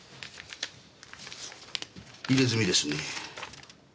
入れ墨ですね。